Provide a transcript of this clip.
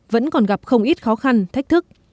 vẫn còn gặp không ít khó khăn thách thức